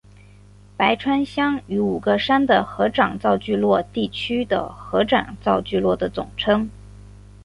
白川乡与五个山的合掌造聚落地区的合掌造聚落的总称。